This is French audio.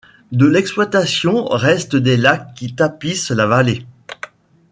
De l'exploitation restent des lacs qui tapissent la vallée.